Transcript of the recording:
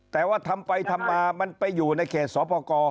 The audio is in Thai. แต่ว่าทำไปทำมามันไปอยู่ในใบสพก